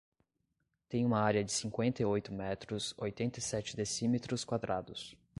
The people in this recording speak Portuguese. Tem uma área de cinquenta e oito metros, oitenta e sete decímetros quadrados.